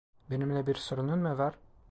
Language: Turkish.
Benimle bir sorunun mu var?